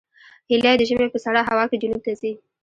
هیلۍ د ژمي په سړه هوا کې جنوب ته ځي